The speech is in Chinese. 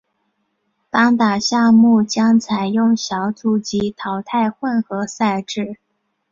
单打项目将采用小组及淘汰混合赛制。